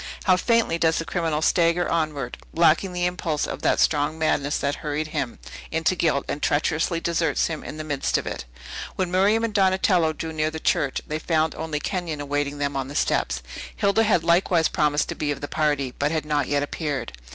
How faintly does the criminal stagger onward, lacking the impulse of that strong madness that hurried him into guilt, and treacherously deserts him in the midst of it! When Miriam and Donatello drew near the church, they found only Kenyon awaiting them on the steps. Hilda had likewise promised to be of the party, but had not yet appeared.